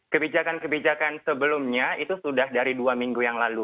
kebijakan kebijakan sebelumnya itu sudah dari dua minggu yang lalu